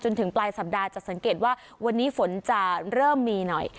ถึงปลายสัปดาห์จะสังเกตว่าวันนี้ฝนจะเริ่มมีหน่อย